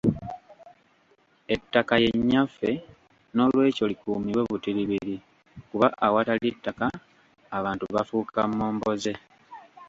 Ettaka ye Nnyaffe nolwekyo likuumibwe butiribiri, kuba awatali ttaka, abantu bafuuka momboze.